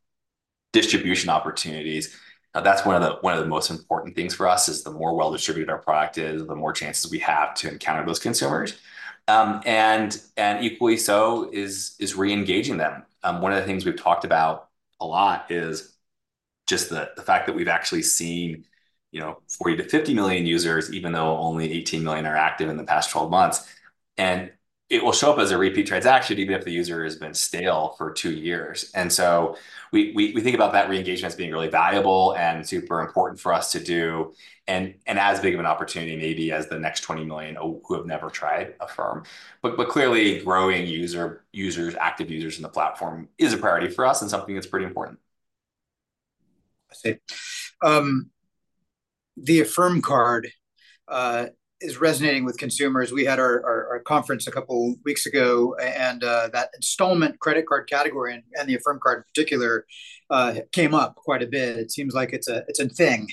Speaker 3: distribution opportunities. Now, that's one of the, one of the most important things for us, is the more well-distributed our product is, the more chances we have to encounter those consumers. And equally so is re-engaging them. One of the things we've talked about a lot is just the fact that we've actually seen, you know, 40 million-50 million users, even though only 18 million are active in the past 12 months. And it will show up as a repeat transaction, even if the user has been stale for two years. And so we think about that re-engagement as being really valuable and super important for us to do, and as big of an opportunity maybe as the next 20 million who have never tried Affirm. But clearly, growing active users in the platform is a priority for us and something that's pretty important.
Speaker 2: I see. The Affirm Card is resonating with consumers. We had our conference a couple weeks ago, and that installment credit card category and the Affirm Card in particular came up quite a bit. It seems like it's a thing.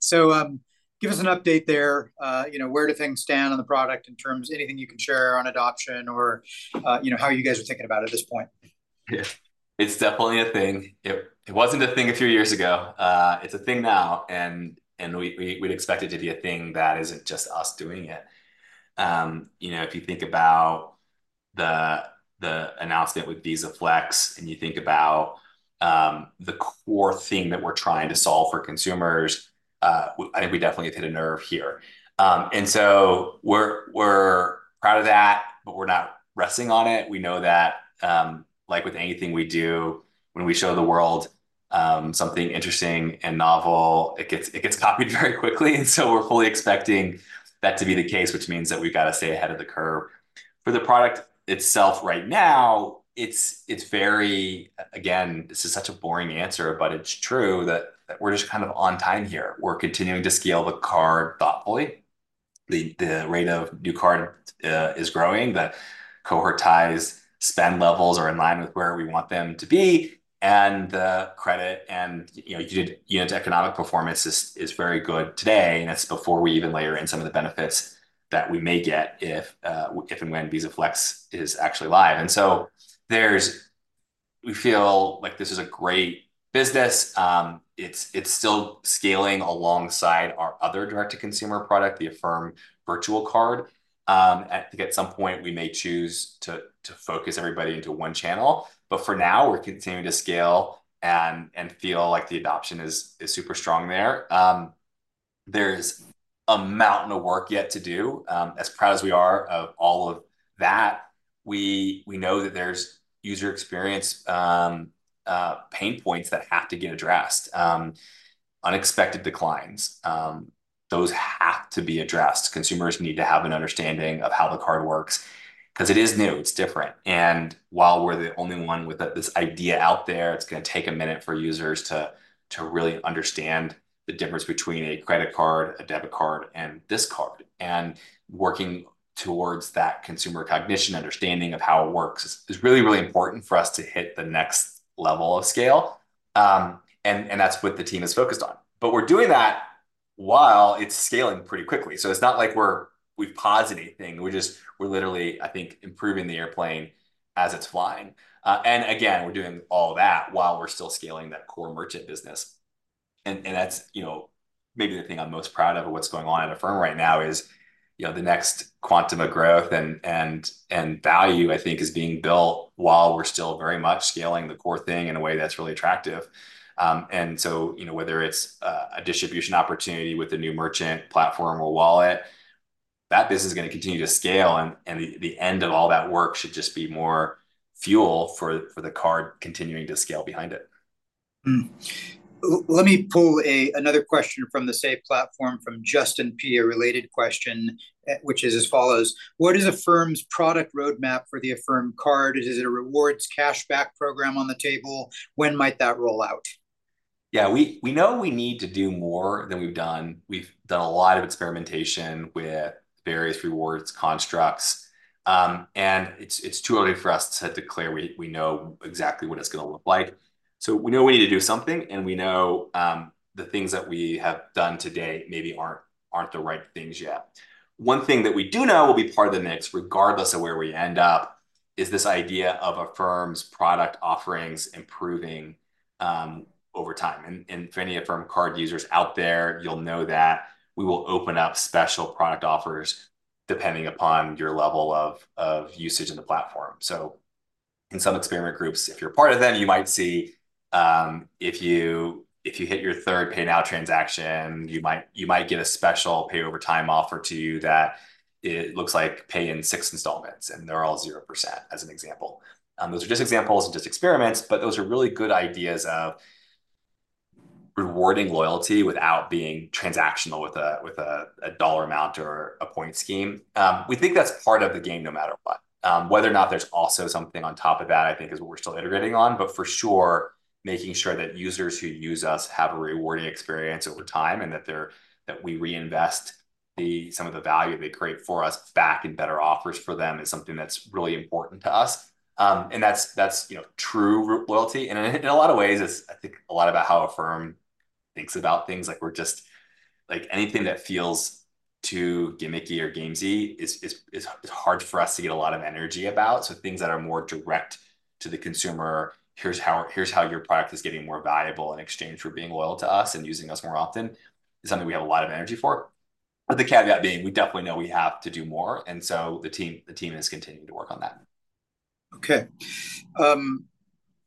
Speaker 2: So, give us an update there. You know, where do things stand on the product in terms, anything you can share on adoption or, you know, how you guys are thinking about it at this point?
Speaker 3: Yeah. It's definitely a thing. It wasn't a thing a few years ago. It's a thing now, and we expect it to be a thing that isn't just us doing it. You know, if you think about the announcement with Visa Flex, and you think about the core thing that we're trying to solve for consumers, I think we definitely hit a nerve here. And so we're proud of that, but we're not resting on it. We know that, like with anything we do, when we show the world something interesting and novel, it gets copied very quickly. And so we're fully expecting that to be the case, which means that we've got to stay ahead of the curve. For the product itself right now, it's very... Again, this is such a boring answer, but it's true, that we're just kind of on time here. We're continuing to scale the card thoughtfully. The rate of new card is growing. The cohort size, spend levels are in line with where we want them to be, and the credit and, you know, unit economic performance is very good today, and that's before we even layer in some of the benefits that we may get if and when Visa Flex is actually live. And so we feel like this is a great business. It's still scaling alongside our other direct-to-consumer product, the Affirm Virtual Card. I think at some point, we may choose to focus everybody into one channel, but for now, we're continuing to scale and feel like the adoption is super strong there. There's a mountain of work yet to do. As proud as we are of all of that, we, we know that there's user experience pain points that have to get addressed. Unexpected declines, those have to be addressed. Consumers need to have an understanding of how the card works, 'cause it is new, it's different. And while we're the only one with this idea out there, it's gonna take a minute for users to, to really understand the difference between a credit card, a debit card, and this card. And working towards that consumer cognition, understanding of how it works, is, is really, really important for us to hit the next level of scale. And, and that's what the team is focused on. But we're doing that while it's scaling pretty quickly. So it's not like we're- we've paused anything. We're literally, I think, improving the airplane as it's flying. And again, we're doing all that while we're still scaling that core merchant business. And that's, you know, maybe the thing I'm most proud of what's going on at Affirm right now is, you know, the next quantum of growth and value, I think, is being built while we're still very much scaling the core thing in a way that's really attractive. And so, you know, whether it's a distribution opportunity with a new merchant platform or wallet, that business is gonna continue to scale, and the end of all that work should just be more fuel for the card continuing to scale behind it.
Speaker 2: Let me pull another question from the Say platform from Justin P., a related question, which is as follows: "What is Affirm's product roadmap for the Affirm Card? Is it a rewards cashback program on the table? When might that roll out?
Speaker 3: Yeah, we know we need to do more than we've done. We've done a lot of experimentation with various rewards constructs, and it's too early for us to declare we know exactly what it's gonna look like. So we know we need to do something, and we know the things that we have done today maybe aren't the right things yet. One thing that we do know will be part of the mix, regardless of where we end up, is this idea of Affirm's product offerings improving over time. For any Affirm Card users out there, you'll know that we will open up special product offers depending upon your level of usage in the platform. So in some experiment groups, if you're a part of them, you might see, if you hit your third Pay Now transaction, you might get a special Pay Over Time offer to you that it looks like paying six installments, and they're all 0%, as an example. Those are just examples and just experiments, but those are really good ideas of rewarding loyalty without being transactional with a dollar amount or a point scheme. We think that's part of the game, no matter what. Whether or not there's also something on top of that, I think is what we're still iterating on, but for sure, making sure that users who use us have a rewarding experience over time, and that we reinvest some of the value they create for us back in better offers for them, is something that's really important to us. And that's, you know, true real loyalty. And in a lot of ways, it's, I think, a lot about how Affirm thinks about things, like we're just... Like, anything that feels too gimmicky or gamesy is hard for us to get a lot of energy about. Things that are more direct to the consumer, here's how, here's how your product is getting more valuable in exchange for being loyal to us and using us more often, is something we have a lot of energy for. But the caveat being, we definitely know we have to do more, and so the team, the team is continuing to work on that.
Speaker 2: Okay.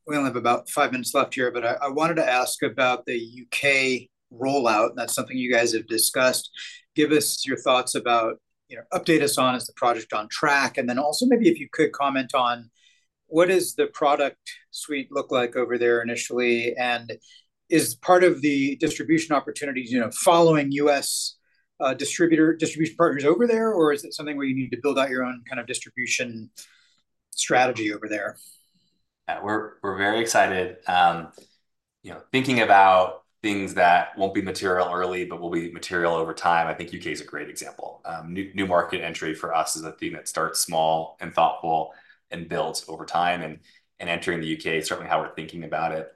Speaker 2: We only have about 5 minutes left here, but I wanted to ask about the U.K. rollout. That's something you guys have discussed. Give us your thoughts about, you know, update us on, is the project on track? And then also, maybe if you could comment on what is the product suite look like over there initially, and is part of the distribution opportunities, you know, following U.S. distribution partners over there, or is it something where you need to build out your own kind of distribution strategy over there?
Speaker 3: Yeah, we're very excited. You know, thinking about things that won't be material early, but will be material over time, I think U.K. is a great example. New market entry for us is a thing that starts small and thoughtful and builds over time, and entering the U.K. is certainly how we're thinking about it.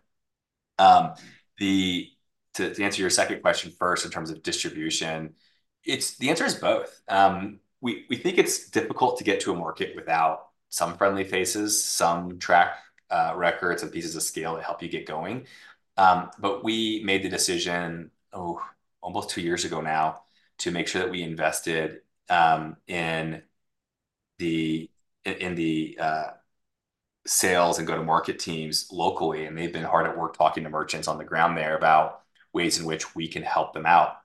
Speaker 3: To answer your second question first, in terms of distribution, it's the answer is both. We think it's difficult to get to a market without some friendly faces, some track records and pieces of scale that help you get going. But we made the decision, oh, almost two years ago now, to make sure that we invested in the sales and go-to-market teams locally, and they've been hard at work talking to merchants on the ground there about ways in which we can help them out.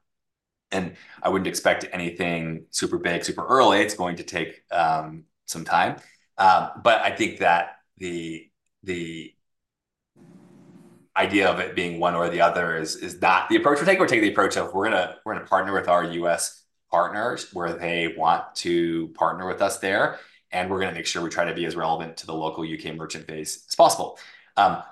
Speaker 3: And I wouldn't expect anything super big, super early. It's going to take some time. But I think that the idea of it being one or the other is not the approach we're taking. We're taking the approach of we're gonna partner with our U.S. partners where they want to partner with us there, and we're gonna make sure we try to be as relevant to the local U.K. merchant base as possible.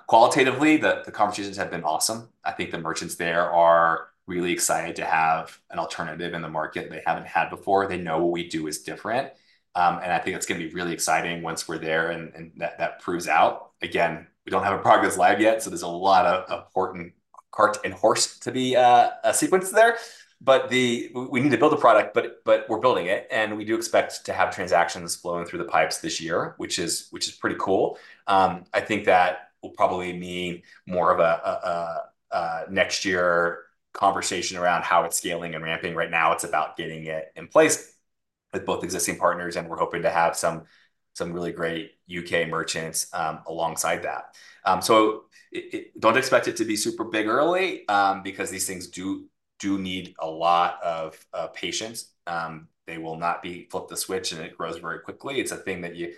Speaker 3: Qualitatively, the conversations have been awesome. I think the merchants there are really excited to have an alternative in the market they haven't had before. They know what we do is different, and I think it's gonna be really exciting once we're there and that proves out. Again, we don't have a product that's live yet, so there's a lot of important cart and horse to be sequenced there. But we need to build a product, but we're building it, and we do expect to have transactions flowing through the pipes this year, which is pretty cool. I think that will probably mean more of a next year conversation around how it's scaling and ramping. Right now, it's about getting it in place with both existing partners, and we're hoping to have some really great U.K. merchants alongside that. So I don't expect it to be super big early, because these things do need a lot of patience. They will not be flip the switch and it grows very quickly. It's a thing that you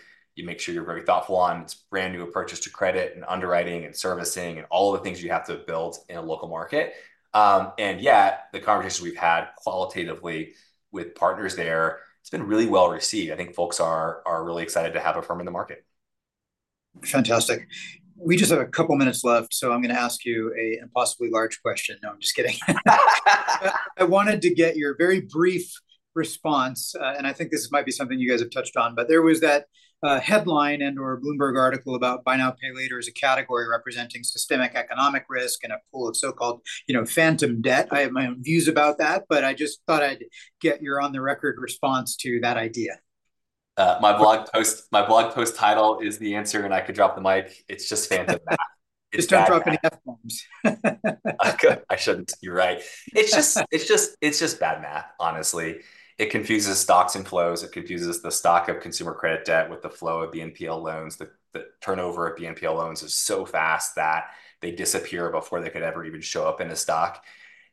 Speaker 3: make sure you're very thoughtful on. It's brand new approach to credit, and underwriting, and servicing, and all of the things you have to build in a local market. And yet, the conversations we've had qualitatively with partners there, it's been really well received. I think folks are really excited to have Affirm in the market.
Speaker 2: Fantastic. We just have a couple minutes left, so I'm gonna ask you an impossibly large question. No, I'm just kidding. I wanted to get your very brief response, and I think this might be something you guys have touched on, but there was that headline and/or Bloomberg article about buy now, pay later as a category representing systemic economic risk and a pool of so-called, you know, phantom debt. I have my own views about that, but I just thought I'd get your on the record response to that idea.
Speaker 3: My blog post, my blog post title is the answer, and I could drop the mic. It's just phantom math.
Speaker 2: Just don't drop any F-bombs.
Speaker 3: I shouldn't, you're right. It's just, it's just, it's just bad math, honestly. It confuses stocks and flows. It confuses the stock of consumer credit debt with the flow of BNPL loans. The turnover of BNPL loans is so fast that they disappear before they could ever even show up in a stock.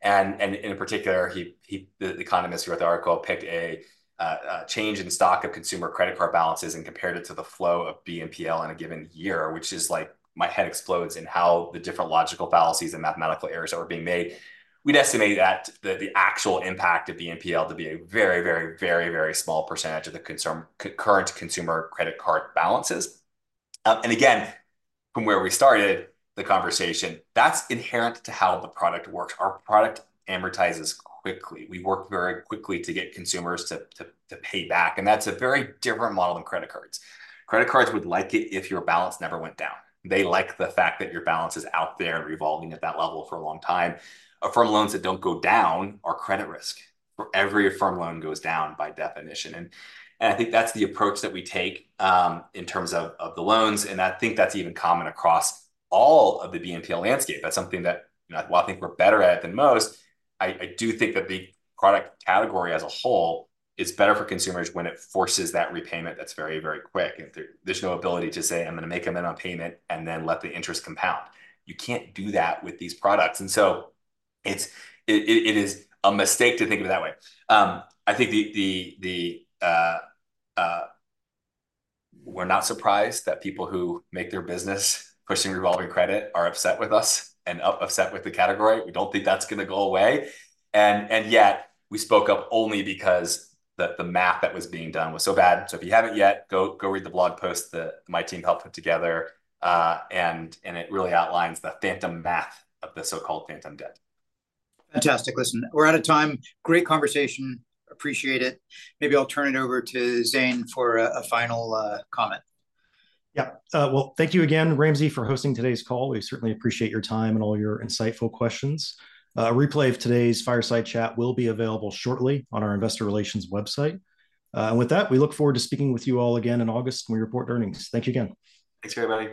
Speaker 3: And in particular, he, the economist who wrote the article, picked a change in stock of consumer credit card balances and compared it to the flow of BNPL in a given year, which is like my head explodes in how the different logical fallacies and mathematical errors that were being made. We'd estimate that the actual impact of BNPL to be a very, very, very, very small percentage of the current consumer credit card balances. And again, from where we started the conversation, that's inherent to how the product works. Our product amortizes quickly. We work very quickly to get consumers to pay back, and that's a very different model than credit cards. Credit cards would like it if your balance never went down. They like the fact that your balance is out there and revolving at that level for a long time. Affirm loans that don't go down are credit risk. For every Affirm loan goes down, by definition, and I think that's the approach that we take, in terms of the loans, and I think that's even common across all of the BNPL landscape. That's something that, you know, while I think we're better at than most, I do think that the product category as a whole is better for consumers when it forces that repayment that's very, very quick, and there's no ability to say, "I'm gonna make a minimum payment," and then let the interest compound. You can't do that with these products. And so it is a mistake to think of it that way. I think we're not surprised that people who make their business pushing revolving credit are upset with us and upset with the category. We don't think that's gonna go away. And yet, we spoke up only because the math that was being done was so bad. So if you haven't yet, go read the blog post that my team helped put together, and it really outlines the phantom math of the so-called phantom debt.
Speaker 2: Fantastic. Listen, we're out of time. Great conversation. Appreciate it. Maybe I'll turn it over to Zane for a final comment.
Speaker 1: Yeah. Well, thank you again, Ramsey, for hosting today's call. We certainly appreciate your time and all your insightful questions. A replay of today's fireside chat will be available shortly on our Investor Relations website. And with that, we look forward to speaking with you all again in August when we report earnings. Thank you again.
Speaker 3: Thanks, everybody.